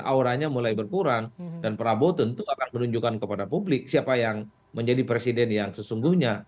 auranya mulai berkurang dan prabowo tentu akan menunjukkan kepada publik siapa yang menjadi presiden yang sesungguhnya